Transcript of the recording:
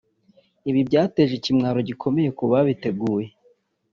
Ibi byateje ikimwaro gikomeye ku babiteguye